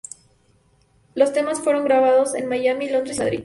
Los temas fueron grabados en Miami, Londres y Madrid.